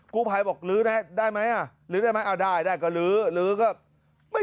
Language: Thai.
กุภัยบอกลื้อด้วยนะได้ไหมอะ